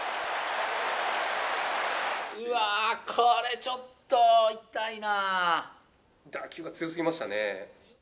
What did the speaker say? うわー、これ、ちょっと痛い打球が強すぎましたね。